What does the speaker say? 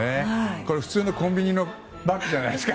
普通のコンビニのバッグじゃないですか。